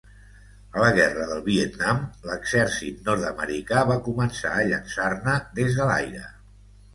A la guerra del Vietnam, l'exèrcit nord-americà va començar a llançar-ne des de l'aire.